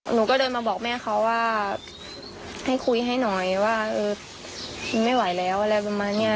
หนูก็เดินมาบอกแม่เขาว่าให้คุยให้หน่อยว่าเออไม่ไหวแล้วอะไรประมาณเนี้ย